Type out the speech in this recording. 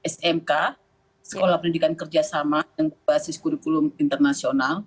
smk sekolah pendidikan kerjasama yang berbasis kurikulum internasional